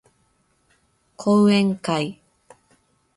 講演会